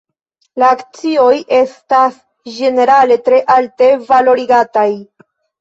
La akcioj estas ĝenerale tre alte valorigataj.